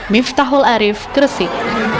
miftahul arif kresik